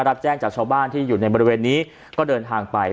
รับแจ้งจากชาวบ้านที่อยู่ในบริเวณนี้ก็เดินทางไป